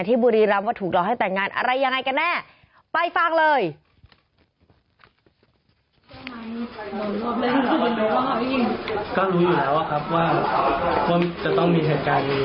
ที่บุรีรัมป์ว่าถูกรอให้แต่งงานอะไรยังไงกันแน่